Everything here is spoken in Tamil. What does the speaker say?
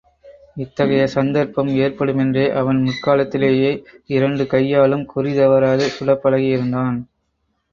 இத்தகைய சந்தர்ப்பம் ஏற்படு மென்றே அவன் முற்காலத்திலேயே இரண்டு கையாலும் குறிதவறாது சுடப்பழகியிருந்தான்.